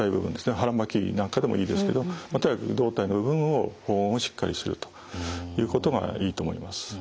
腹巻きなんかでもいいですけどとにかく胴体の部分を保温をしっかりするということがいいと思います。